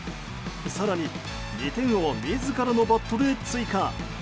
更に２点を自らのバットで追加。